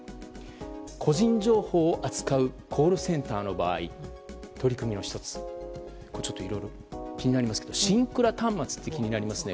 個人情報を扱うコールセンターの場合取り組みの１つシンクラ端末って気になりますね。